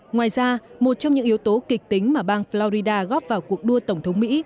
ngoài ra một trong những yếu tố kịch tính mà bang florida góp vào cuộc đua tổng thống mỹ